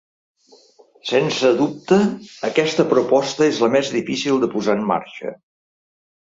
Sense dubte, aquesta proposta és la més difícil de posar en marxa.